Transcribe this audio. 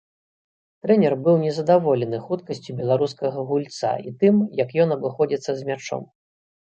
Трэнер быў незадаволены хуткасцю беларускага гульца і тым, як ён абыходзіцца з мячом.